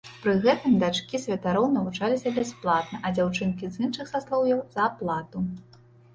Пры гэтым дачкі святароў навучаліся бясплатна, а дзяўчынкі з іншых саслоўяў за аплату.